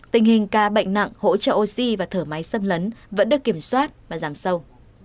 tình hình ca bệnh nặng hỗ trợ oxy và thở máy xâm lấn vẫn được kiểm soát và giảm sâu